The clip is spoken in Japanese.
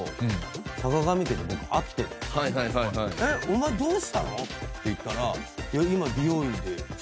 「えっお前どうしたの！？」って言ったら。